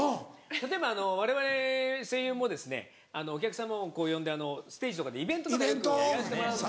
例えばわれわれ声優もお客様を呼んでステージとかでイベントとかよくやらせてもらうんですよ。